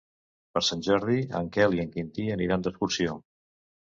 Per Sant Jordi en Quel i en Quintí aniran d'excursió.